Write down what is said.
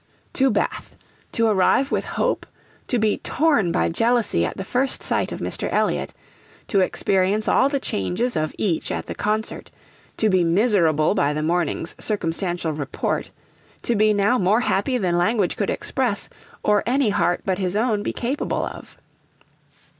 To Bath to arrive with hope, to be torn by jealousy at the first sight of Mr. Elliot; to experience all the changes of each at the concert; to be miserable by the morning's circumstantial report, to be now more happy than language could express, or any heart but his own be capable of.